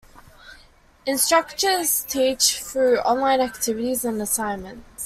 Instructors teach through online activities and assignments.